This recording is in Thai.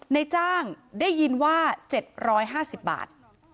ในจ้างได้ยินว่า๗๕๐บาท